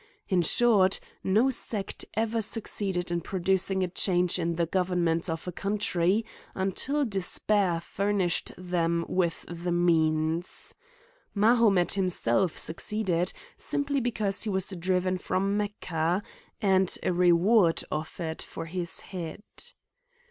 In short, no sect ever succeeded in producing a change in the government of a coun try until despair furnished them with the means. Mahomet himself succeeded, simply because he was driven from Mecca, and a reward offered for his head.